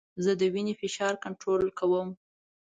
زه د وینې فشار کنټرول کوم.